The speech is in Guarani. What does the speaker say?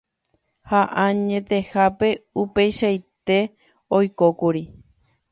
ha añetehápe upeichaite oikókuri.